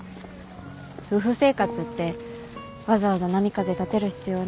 夫婦生活ってわざわざ波風立てる必要ない。